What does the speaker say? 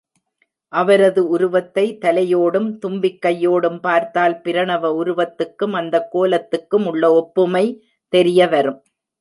அவரது உருவத்தைத் தலையோடும், தும்பிக்கையோடும் பார்த்தால் பிரணவ உருவத்துக்கும், அந்தக் கோலத்துக்கும் உள்ள ஒப்புமை தெரியவரும்.